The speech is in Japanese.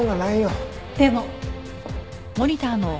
でも。